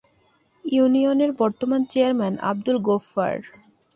ইউনিয়নের বর্তমান চেয়ারম্যান আবদুল গোফফার।